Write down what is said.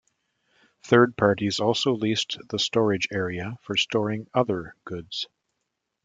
Third parties also leased the storage area for storing other goods.